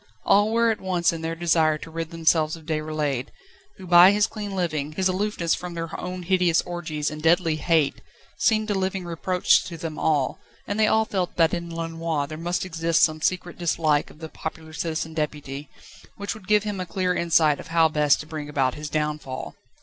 All were at one in their desire to rid themselves of Déroulède, who by his clean living, his aloofness from their own hideous orgies and deadly hates, seemed a living reproach to them all; and they all felt that in Lenoir there must exist some secret dislike of the popular Citizen Deputy, which would give him a clear insight of how best to bring about his downfall.